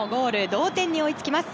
同点に追いつきます。